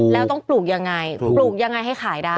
แล้วต้องปลูกยังไงปลูกยังไงให้ขายได้